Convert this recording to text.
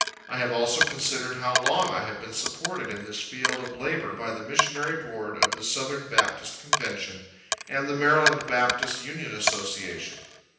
I have also considered how long I have been supported in this field of labor by the Missionary Board of the Southern Baptist Convention and the Maryland Baptist Union Association.